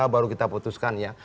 baru kita putuskannya